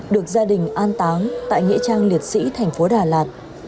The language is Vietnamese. được gia đình an táng tại nghệ trang liệt sĩ thành phố đà lạt